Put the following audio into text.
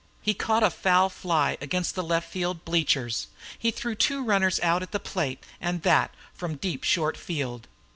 He caught a foul fly against the left field bleachers. He threw two runners out at the plate, and that from deep short field.